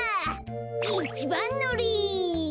いちばんのり。